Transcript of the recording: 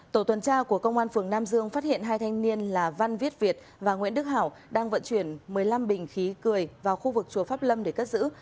tổ tuần tra của công an phường nam dương phát hiện hai thanh niên là văn viết việt và nguyễn đức hảo đang vận chuyển một mươi năm bình khí cười vào khu vực chùa pháp lâm để cất giữ